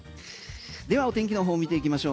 ではお天気の方見ていきましょう。